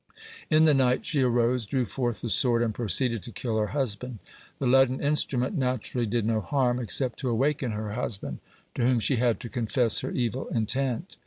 In the night she arose, drew forth the sword, and proceeded to kill her husband. The leaden instrument naturally did no harm, except to awaken her husband, to whom she had to confess her evil intent.